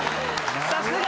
さすが。